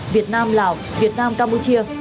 việt nam lào việt nam campuchia